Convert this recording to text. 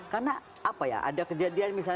karena apa ya ada kejadian misalnya